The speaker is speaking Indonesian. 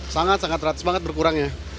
sangat sangat ratus banget berkurangnya